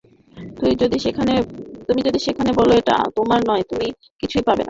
তুমি যদি সেখানে বলো এটা তোমার নয়, তুমি কিছুই পাবে না।